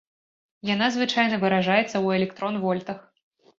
Яна звычайна выражаецца ў электрон-вольтах.